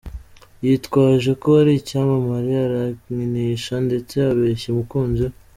yitwaje ko ari icyamamare arankinisha ndetse abeshya umukunzi we.